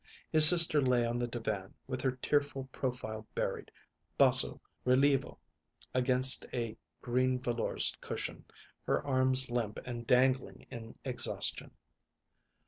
His sister lay on the divan, with her tearful profile buried, basso rilievo, against a green velours cushion, her arms limp and dangling in exhaustion.